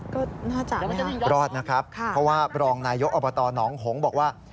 ก็น่าจะรอดนะครับเพราะว่ารองนายกอบตหนองหงษ์บอกว่า